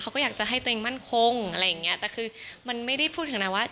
เขาก็อยากจะให้ตัวเองมั่นคงอะไรอย่างเงี้ยแต่คือมันไม่ได้พูดถึงนะว่า